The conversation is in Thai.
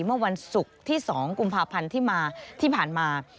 เมื่อวันศุกร์ที่๒กุมภาพันธ์ที่มาที่ผ่านมา